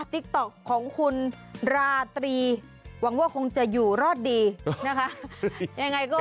ติ๊กต๊อกของคุณราตรีหวังว่าคงจะอยู่รอดดีนะคะยังไงก็